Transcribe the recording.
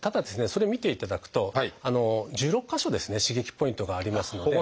それ見ていただくと１６か所刺激ポイントがありますので。